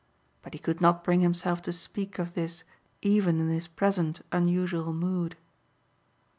But he could not bring himself to speak of this even in his present unusual mood.